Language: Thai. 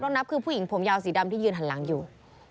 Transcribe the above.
นับคือผู้หญิงผมยาวสีดำที่ยืนหันหลังอยู่